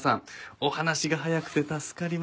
お話が早くて助かります。